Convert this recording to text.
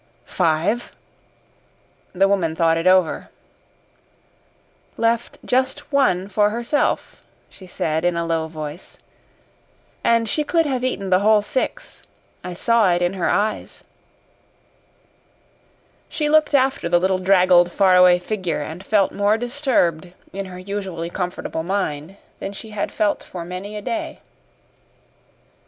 "Five." The woman thought it over. "Left just one for herself," she said in a low voice. "And she could have eaten the whole six I saw it in her eyes." She looked after the little draggled far away figure and felt more disturbed in her usually comfortable mind than she had felt for many a day.